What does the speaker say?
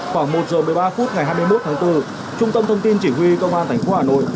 khoảng một giờ một mươi ba phút ngày hai mươi một tháng bốn trung tâm thông tin chỉ huy công an tp hà nội